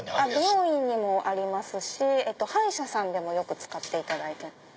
美容院にもありますし歯医者さんでもよく使っていただいてます。